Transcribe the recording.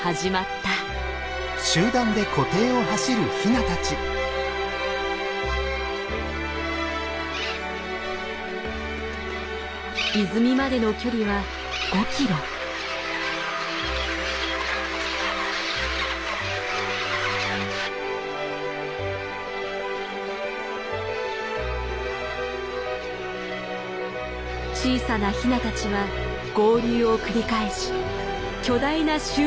小さなヒナたちは合流を繰り返し巨大な集団となって泉を目指す。